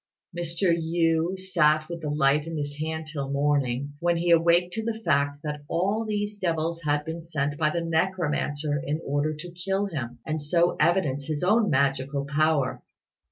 Mr. Yü sat with the light in his hand till morning, when he awaked to the fact that all these devils had been sent by the necromancer in order to kill him, and so evidence his own magical power.